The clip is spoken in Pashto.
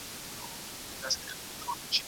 ما یې فال دی پر اورغوي له ازل سره کتلی